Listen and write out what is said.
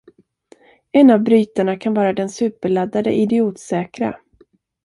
En av brytarna kan vara den superladdade idiotsäkra.